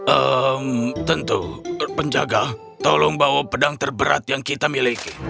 ehm tentu penjaga tolong bawa pedang terberat yang kita miliki